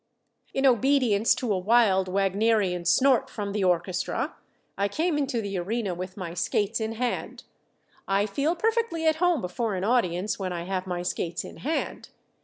In obedience to a wild, Wagnerian snort from the orchestra, I came into the arena with my skates in hand. I feel perfectly at home before an audience when I have my skates in hand.